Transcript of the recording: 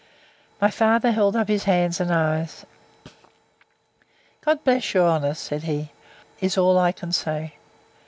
My father held up his hands, and eyes; God bless your honour! said he, is all I can say.